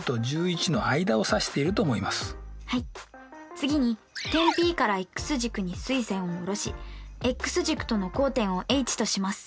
次に点Ｐからｘ軸に垂線を下ろしｘ軸との交点をＨとします。